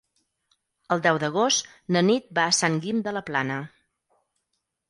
El deu d'agost na Nit va a Sant Guim de la Plana.